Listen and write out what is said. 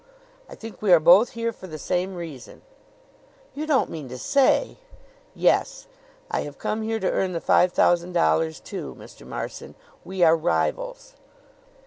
"I think we are both here for the same reason." "You don't mean to say " "Yes; I have come here to earn the five thousand dollars, too, Mr. Marson. We are rivals."